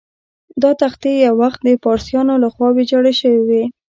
دا تختې یو وخت د پارسیانو له خوا ویجاړ شوې وې.